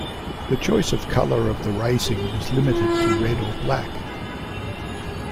The choice of colour of the Racing was limited to red or black.